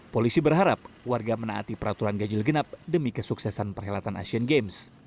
polisi berharap warga menaati peraturan ganjil genap demi kesuksesan perhelatan asian games